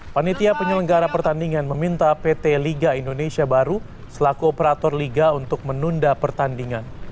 panitia penyelenggara pertandingan meminta pt liga indonesia baru selaku operator liga untuk menunda pertandingan